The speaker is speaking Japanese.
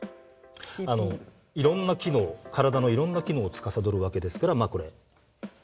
いろんな機能体のいろんな機能をつかさどるわけですからまあこれ。